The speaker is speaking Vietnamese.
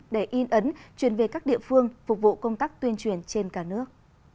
để in ấn truyền về các địa phương phục vụ công tác tuyên truyền trên cả nước